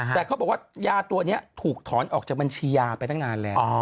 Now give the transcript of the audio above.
แต่เขาบอกว่ายาตัวนี้ถูกถอนออกจากบัญชียาไปตั้งนานแล้ว